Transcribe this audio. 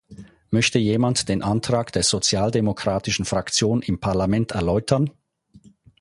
Möchte jemand den Antrag der Sozialdemokratischen Fraktion im Parlament erläutern?